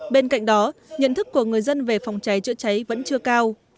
bên cạnh đó nhận thức của người dân về phòng cháy chữa cháy vẫn chưa cao